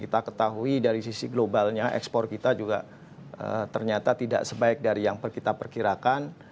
kita ketahui dari sisi globalnya ekspor kita juga ternyata tidak sebaik dari yang kita perkirakan